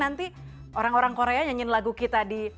nanti orang orang korea nyanyiin lagu kita di